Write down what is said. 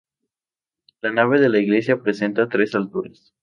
La nave de la iglesia presenta tres alturas.